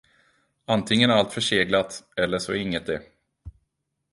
Antingen är allt förseglat eller så är inget det.